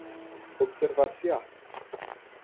observar-se-á